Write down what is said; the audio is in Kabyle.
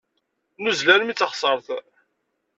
Nuzzel armi d taɣsert.